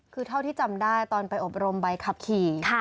คือเท่าที่จำได้ตอนไปอบรมใบขับขี่